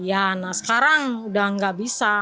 ya nah sekarang udah nggak bisa